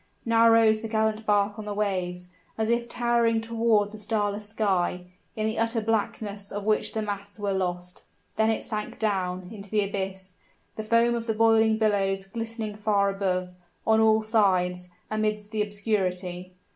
Now rose the gallant bark on the waves, as if towering toward the starless sky, in the utter blackness of which the masts were lost; then it sank down into the abyss, the foam of the boiling billows glistening far above, on all sides, amidst the obscurity.